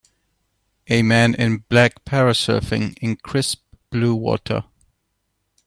A man in black parasurfing in crisp, blue water.